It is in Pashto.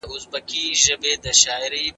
د هسک سپوږمۍ څومره روښانه ده!